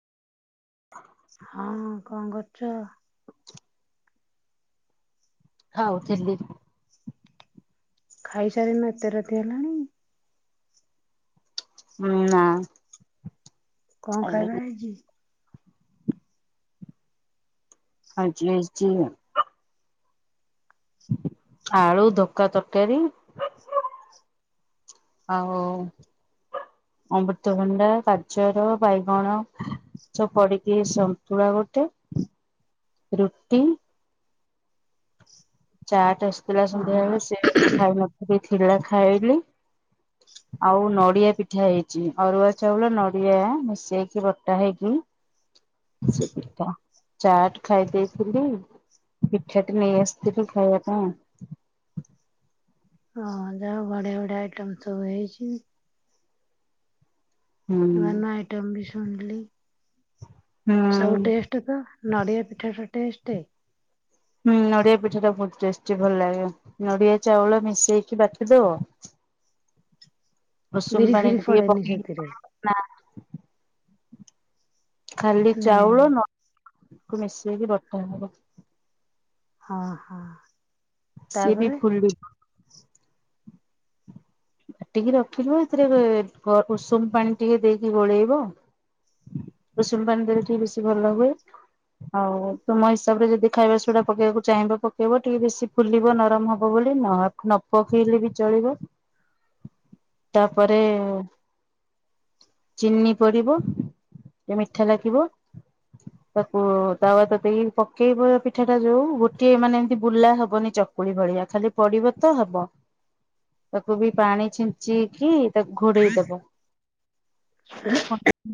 ହଁ କଣ କରୁଚ? ଖାଉଥିଲି।। ଖାଇସାରିନୁ ଏତେ ରାତି ହେଲାଣି।। ହୁଁ ନାଁ।। କଣ ଖାଇବା ହେଇଚି? ଆଜି ହେଇଚି ଆଳୁ ଧୋକା ତରକାରୀ ଆଉ ଅମୃତଭଣ୍ଡା ଗାଜର ବାଇଗଣ ସବୁ ପଡିକି ସନ୍ତୁଳା ଗୋଟେ ରୁଟି। ଚାଟ ସ ଥିଲା ହଁ ସନ୍ଧ୍ୟାବେଳେ ସିଏ ଖାଇ ନ ଥିଲି ଥିଲା ଖାଇଲି ଆଉ ନଡିଆ ପିଠା ହେଇଚି ଅରୁଆ ଚାଉଳ ନଡିଆ ମିଶେଇକି ବଟା ହେଇକି ସେ ପିଠା ଚାଟ ଖାଇ ଦେଇଥିଲି ପିଠାଟି ନେଇ ଆସିି ସେଠୁ ଖାଇବା ପାଇଁ ଅ ହ ଯାହା ହୋଉ ବଢିଆ ବଢିଆ ଆଇଟମ୍ ସବୁ ହେଇଚି। ହୁଁ ନୂଆ ନୂଆ ଆଇଟମ୍ ବି ଶୁଣିଲି। ସବୁ ହୁଁ। ଟେଷ୍ଟ ତ ନଡ଼ିଆ ପିଠା ଟା ଟେଷ୍ଟେ ହୁଁ ନଡିଆ ପିଠା ଟା ବହୁତ ଟେଷ୍ଟି ଭଲ ଲାଗେ ନଡିଆ ଚାଉଳ ମିଶେଇକି ବାଟି ଦବ ରଷୁମ୍ ବିରି ପଣି ଫିରି ରେ ଟିକେ ପଡେନି ସେଥିରେ। ପକେଇକି [unintelligible] ଖାଲି ମାନେ ଚାଉଳ ନ ତାକୁ ମିସେଇକି ବଟା ହବ। ହଁ ହଁ। ସିଏ ବି ତାପରେ ଫୁଲି ବ। କାଟିକି ରଖିବ ଏଥିରେ ଗ ଉଷୁମ ପାଣି ଟିକେ ଦେଇକି ଗୋଳେଇବ ଉଷୁମ ପାଣି ଦେଲେ ଟିକେ ବେଶୀ ଭଲ ହୁଏ ଆଉ ତମ ହିସାବରେ ଯଦି ଖାଇବା ସୋଡା ପକେଇବାକୁ ଚାହିଁବ ପକେଇବ ଟିକେ ବେଶି ଫୁଲିବ ନରମ ହବ ବୋଲି ନ ପକେଇଲେ ବି ଚଳିବ। ତାପରେ ଚିନି ପଡିବ ଟିକେ ମିଠା ଲାଗିବ ତାକୁ ତାକକି ପକେଇବ ପିଠା ଟା ଯୋଉ ଗୋଟିଏ ମାନେ ଏମତି ବୁଲା ହବନି ଚକୁଳି ଭଳିଆ ଖାଲି ପଡିବ ତ ହବ ତାକୁ ବି ପାଣି ଛିଞ୍ଚି କି ତାକୁ ଘୋଡେଇଦବ ହଁ